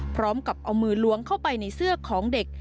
พร้อมกับเอามือล้วงเข้าไปในเสื้อของเด็ก